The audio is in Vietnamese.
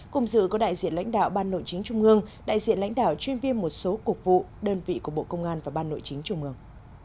cùng dự có đại diện lãnh đạo ban nội chính trung ương đại diện lãnh đạo chuyên viên một số cục vụ đơn vị của bộ công an và ban nội chính trung ương